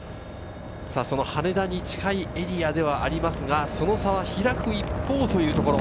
その羽田に近いエリアではありますが、その差は開く一方というところ。